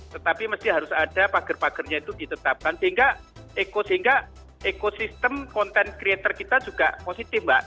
tetapi mesti harus ada pagar pagarnya itu ditetapkan sehingga ekosistem content creator kita juga positif mbak